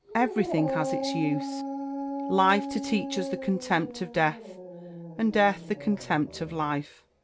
Everything has its use : life to teach us the contempt of death, and death the contempt of life.